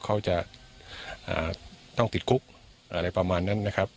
เขาจะต้องติดคุกอะไรประมาณนั้นนะครับ